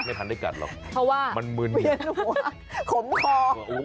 เพราะว่าเวียนหัวขมคอสติกหน่อยพออึดพออม